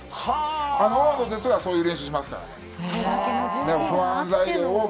あの大野ですら、そういう練習しますからね。